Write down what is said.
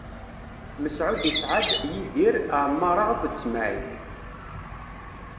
Mesɛud isɛa-d: Yidir, Amaṛa akked Smaɛil.